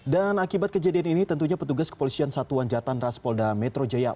dan akibat kejadian ini tentunya petugas kepolisian satuan jatah ras polda metro jaya